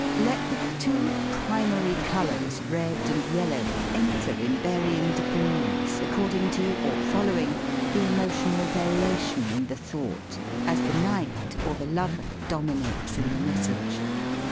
Let the two primary colors, red and yel low, enter in varying degrees according to, or following, the emotional variation in the thought, as the knight or the lover domi nates in the message.